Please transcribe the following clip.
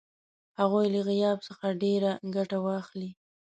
هغوی له غیاب څخه ډېره ګټه واخلي.